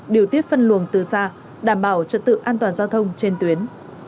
điều tiết phân luồng từ xa đảm bảo trật tự an toàn giao thông trên tuyến